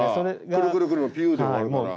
くるくるくるピューで終わるから。